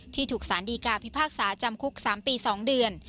ถูกสารดีกาพิพากษาจำคุก๓ปี๒เดือน